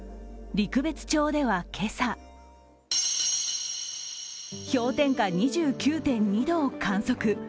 陸別町では今朝、氷点下２９．２度を観測。